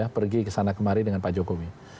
pergi ke sana kemari dengan pak jokowi